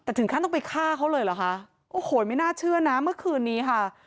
แต่ถึงขั้นต้องไปฆ่าเขาเลยเหรอคะโอ้โหไม่น่าเชื่อนะเมื่อคืนนี้ค่ะ